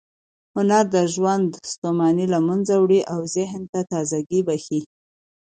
هنر د ژوند ستوماني له منځه وړي او ذهن ته تازه ګۍ بښي.